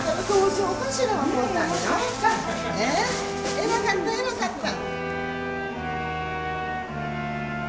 えらかったえらかった。